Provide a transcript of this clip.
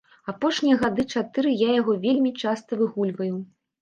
Апошнія гады чатыры я яго вельмі часта выгульваю.